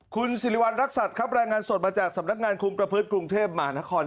คุณสิริวัณรักษัตริย์ครับรายงานสดมาจากสำนักงานคุมประพฤติกรุงเทพมหานคร